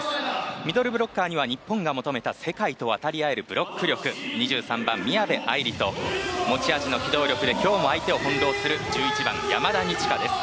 ミドルブロッカーには日本が求めた世界と渡り合えるブロック力、２３番宮部藍梨と持ち味の機動力で今日も相手を翻ろうする１１番、山田二千華です。